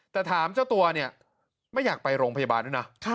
แต่ถามเจ้าตัวเนี่ยไม่อยากไปโรงพยาบาลด้วยนะ